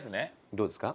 どうですか？